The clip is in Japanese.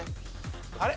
あれ？